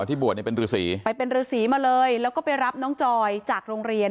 ที่บวชเนี่ยเป็นฤษีไปเป็นฤษีมาเลยแล้วก็ไปรับน้องจอยจากโรงเรียน